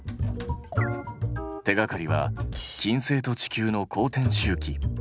手がかりは金星と地球の公転周期。